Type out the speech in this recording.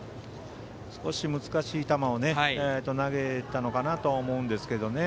少し難しい球を投げたのかなと思うんですけどね。